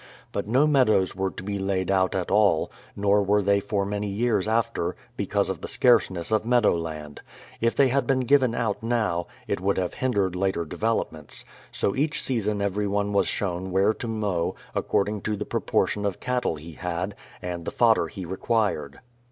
But no meadows were to be laid out at all; nor were they for many years after, because of the scarceness of meadow land. If they had been given out now, it would have hindered later developments ; so each season everyone was shown where to mow, according to the proportion of cattle he had, and the fodder he re quired.